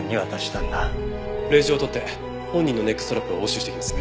令状を取って本人のネックストラップを押収してきます。